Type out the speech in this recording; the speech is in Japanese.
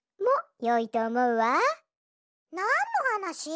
なんのはなし？